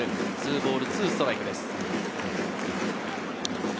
２ボール２ストライクです。